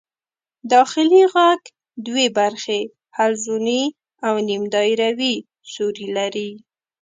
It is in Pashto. داخلي غوږ دوې برخې حلزوني او نیم دایروي سوري لري.